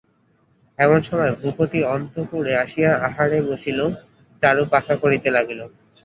এমন সময় ভূপতি অন্তঃপুরে আসিয়া আহারে বসিল, চারু পাখা করিতে লাগিল।